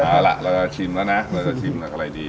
เอาละเราจะชิมแล้วนะเราจะชิมขนักไฟลัยดี